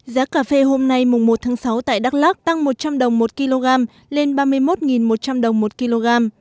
giá cà phê hôm nay mùng một tháng sáu tại đắk lắc tăng một trăm linh đồng một kg lên ba mươi một một trăm linh đồng một kg